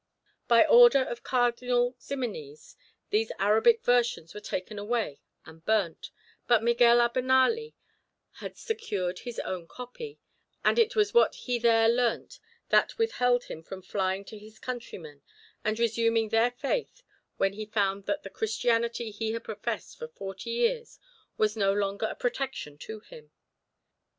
By order of Cardinal Ximenes, these Arabic versions were taken away and burnt; but Miguel Abenali had secured his own copy, and it was what he there learnt that withheld him from flying to his countrymen and resuming their faith when he found that the Christianity he had professed for forty years was no longer a protection to him.